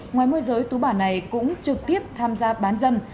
ngoài mua dưới tú bản này cũng trực tiếp tham gia bán dâm